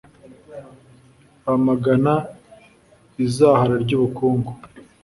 bamagana izahara ry’ubukungu